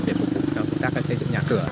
để phục vụ các xây dựng nhà cửa